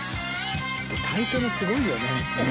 タイトルすごいよね。